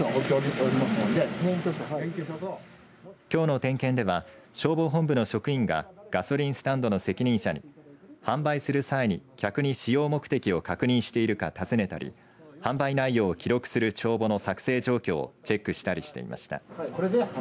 きょうの点検では消防本部の職員がガソリンスタンドの責任者に販売する際に客に使用目的を確認しているかたずねたり販売内容を記録する帳簿の作成状況をチェックしたりしていました。